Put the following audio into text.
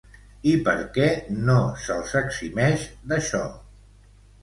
I per què no se'ls eximeix d'això?